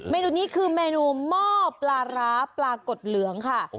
เมนูนี้คือเมนูหม้อปลาร้าปลากดเหลืองค่ะ